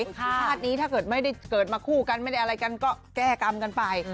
ชาตินี้ถ้าเกิดไม่ได้เกิดมาคู่กันไม่ได้อะไรกันก็แก้กรรมกันไป